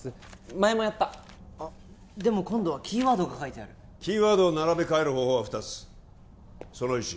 前もやったあっでも今度はキーワードが書いてあるキーワードを並べ替える方法は２つその１